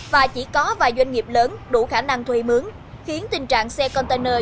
và chỉ có vài doanh nghiệp lớn đủ khả năng thuê mướn khiến tình trạng xe container